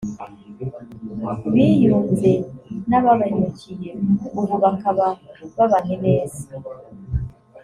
biyunze n’ababahemukiye ubu bakaba babanye neza